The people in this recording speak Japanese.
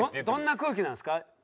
どんな空気なんですか？